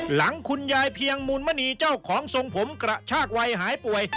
หลังคุณยายเพียงมูลมณีเจ้าของทรงผมกระชากวัยหายป่วย